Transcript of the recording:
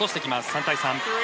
３対３。